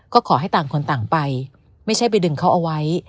ก็ขอให้ต่างคนต่างไปไม่ใช่ไปดึงเขาเอาไว้